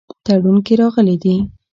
تړون کې راغلي دي.